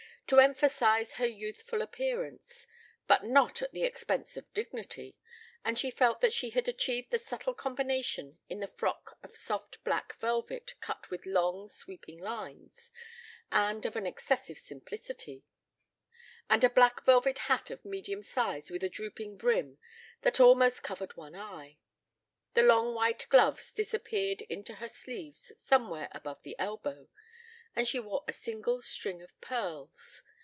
to emphasize her youthful appearance, but not at the expense of dignity, and she felt that she had achieved the subtle combination in the frock of soft black velvet cut with long, sweeping lines and of an excessive simplicity; and a black velvet hat of medium size with a drooping brim that almost covered one eye. The long white gloves disappeared into her sleeves somewhere above the elbow and she wore a single string of pearls.